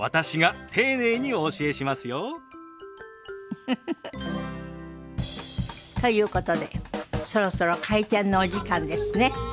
ウフフフ。ということでそろそろ開店のお時間ですね。